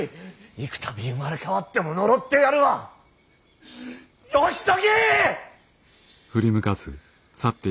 幾たび生まれ変わっても呪ってやるわ義時！